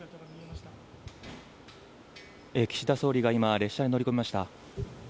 岸田総理が今、列車に乗り込みました。